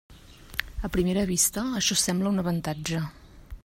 A primera vista, això sembla un avantatge.